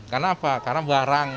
karena apa karena barang